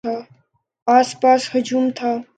آس پاس ہجوم تھا۔